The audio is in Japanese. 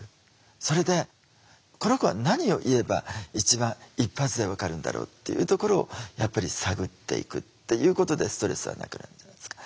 それでこの子は何を言えば一番一発で分かるんだろうっていうところをやっぱり探っていくっていうことでストレスはなくなるじゃないですか。